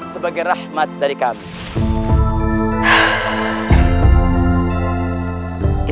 sebagai rahmat dari kami